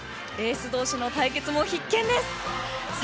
エース同士の対決も必見です。